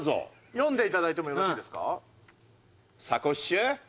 読んでいただいてもよろしいですか？